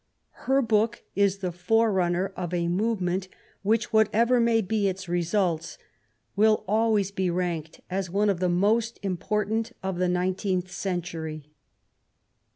Her book is the forerunner of a movement which, whatever may be its results, will always be ranked as one of the most important of the nineteenth cen tury.